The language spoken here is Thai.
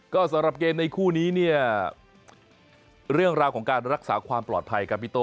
ก็สำหรับเกมในคู่นี้เนี่ยเรื่องราวของการรักษาความปลอดภัยกับพี่โต้